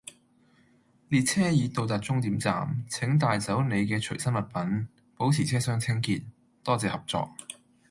列車已到達終點站，請帶走你嘅隨身物品，保持車廂清潔，多謝合作